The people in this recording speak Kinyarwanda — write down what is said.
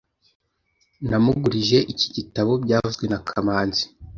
Namugurije iki gitabo byavuzwe na kamanzi